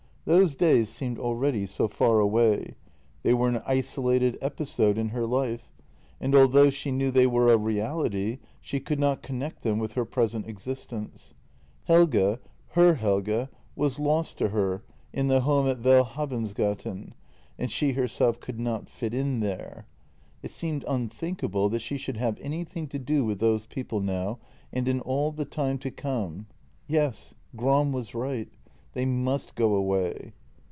Those days seemed already so far away; they were an isolated 162 JENNY episode in her life, and although she knew they were a reality she could not connect them with her present existence. Helge — her Helge was lost to her in the home at Welhavens gaten, and she herself could not fit in there. It seemed un thinkable that she should have anything to do with those people now and in all the time to come. Yes — Gram was right — they must go away.